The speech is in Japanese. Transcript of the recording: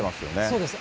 そうです。